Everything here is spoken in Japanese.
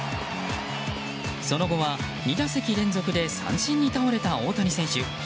その後は２打席連続で三振に倒れた大谷選手。